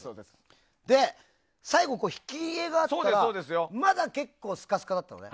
で、最後、引き画があったらまだ結構、スカスカだったよね。